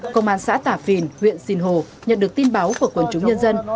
công an xã tạp vìn huyện sinh hồ nhận được tin báo của quần chúng nhân dân